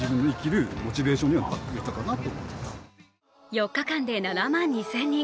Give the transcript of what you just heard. ４日間で７万２０００人。